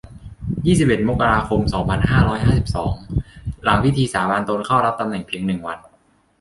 ยี่สิบเอ็ด มกราคม สองพันห้าร้อยห้าสิบสอง หลังพิธีสาบานตนเข้ารับตำแหน่งเพียง หนึ่ง วัน